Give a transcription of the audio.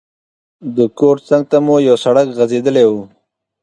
د کور څنګ ته مو یو سړک غځېدلی وو.